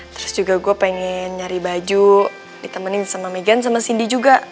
terus juga gue pengen nyari baju ditemenin sama meghan sama cindy juga